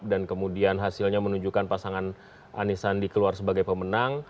dan kemudian hasilnya menunjukkan pasangan anisandi keluar sebagai pemenang